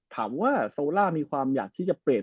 ถามว่าโซล่ามีความอยากที่จะเปลี่ยน